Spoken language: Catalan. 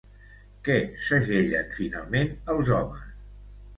Què segellen finalment els homes?